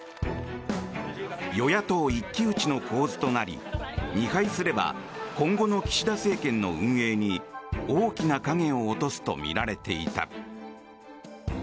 与野党一騎打ちの構図となり２敗すれば今後の岸田政権の運営に大きな影を落とすとみられていた。